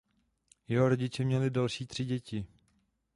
Jeho rodiče měli další tři děti.